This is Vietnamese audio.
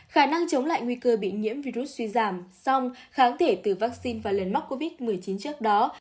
khả năng chống lại nguy cơ bị nhiễm virus suy giảm song kháng thể từ vaccine vàn mắc covid một mươi chín trước đó